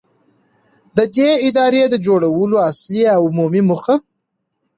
، د دې ادارې د جوړولو اصلي او عمومي موخه.